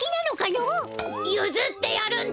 ゆずってやるんだ。